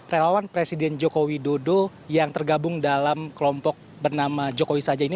relawan presiden joko widodo yang tergabung dalam kelompok bernama jokowi saja ini